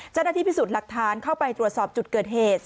เจ้าหน้าที่พิสูจน์หลักฐานเข้าไปตรวจสอบจุดเกิดเหตุ